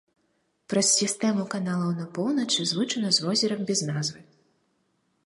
Праз сістэму каналаў на поўначы злучана з возерам без назвы.